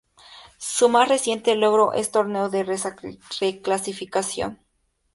Su más reciente logro es Torneo Reclasificación.